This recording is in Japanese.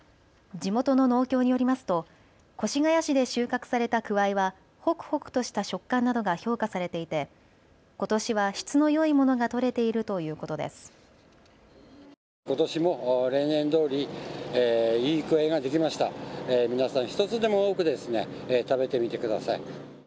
地元の農協によりますと越谷市で収穫されたくわいは、ほくほくとした食感などが評価されていてことしは質のよいものがとれているということです。